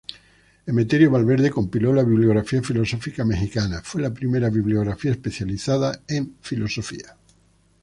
Emeterio Valverde compiló la Bibliografía Filosófica Mexicana, fue la primera bibliografía especializada en Filosofía.